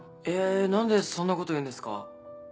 え何でそんなこと言うんですか？